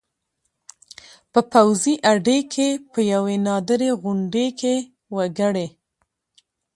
په پوځي اډې کې په یوې نادرې غونډې کې وکړې